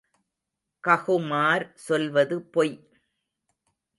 ககுமார் சொல்வது பொய்.